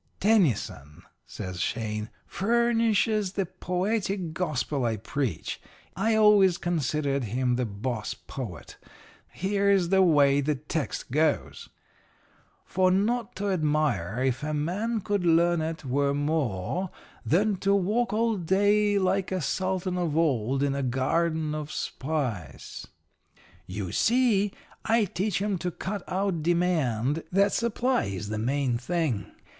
"'Tennyson,' says Shane, 'furnishes the poetic gospel I preach. I always considered him the boss poet. Here's the way the text goes: "'"For, not to admire, if a man could learn it, were more Than to walk all day like a Sultan of old in a garden of spice." "'You see, I teach 'em to cut out demand that supply is the main thing.